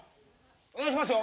お願いしますよ！